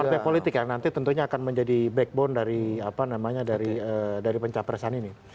partai politik yang nanti tentunya akan menjadi backbone dari pencapresan ini